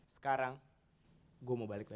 sekarang gue mau balik lagi